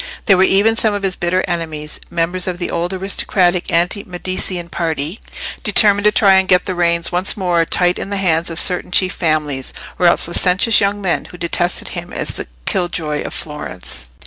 There were even some of his bitter enemies: members of the old aristocratic anti Medicean party—determined to try and get the reins once more tight in the hands of certain chief families; or else licentious young men, who detested him as the killjoy of Florence.